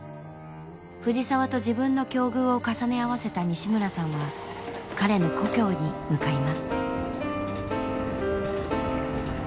藤澤と自分の境遇を重ね合わせた西村さんは彼の故郷に向かいます。